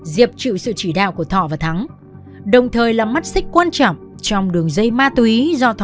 diệp chịu sự chỉ đạo của thọ và thắng đồng thời là mắt xích quan trọng trong đường dây ma túy do thọ